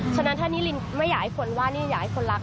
ฉะนั้นถ้านิรินไม่อยากให้คนว่านี่อยากให้คนรัก